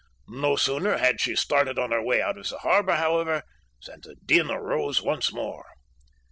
No sooner had she started on her way out of the harbor, however, than the din arose once more.